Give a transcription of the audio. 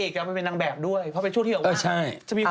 พี่นางเอกเอาไปเป็นนางแบบด้วยเพราะเป็นช่วงที่จะบอกว่า